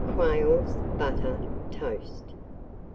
Quails, butter, toast.